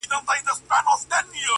o په نن پسي سبا سته!